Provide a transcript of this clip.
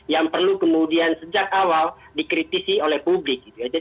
yang perlu kemudian sejak awal dikritisi oleh publik gitu ya